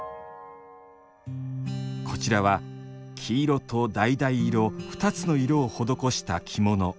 こちらは黄色とだいだい色２つの色を施した着物。